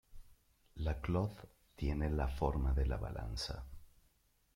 La "cloth" tiene la forma de la balanza.